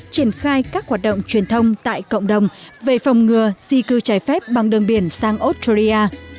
triển khai các hoạt động truyền thông tại cộng đồng về phòng ngừa di cư trái phép bằng đường biển sang australia